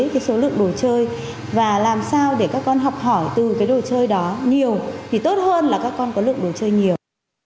cái số lượng đồ chơi và làm sao để các con học hỏi từ cái đồ chơi đó nhiều thì tốt hơn là các con có lượng đồ chơi nhiều